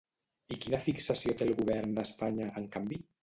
I quina fixació té el govern d'Espanya, en canvi?